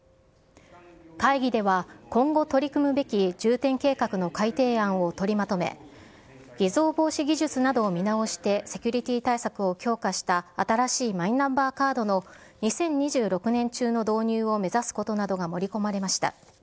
会議では、今後取り組むべき重点計画の改定案を取りまとめ、偽造防止技術などを見直して、セキュリティー対策を強化した新しいマイナンバーカードの２０２６年中の導入を目指すことなどが盛り込まれました。